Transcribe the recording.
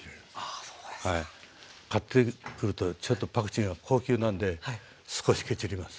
あそうですか。買ってくるとちょっとパクチーが高級なんで少しケチります。